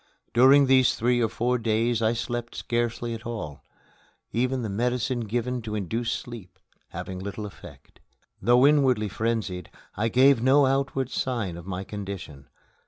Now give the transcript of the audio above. During these three or four days I slept scarcely at all even the medicine given to induce sleep having little effect. Though inwardly frenzied, I gave no outward sign of my condition.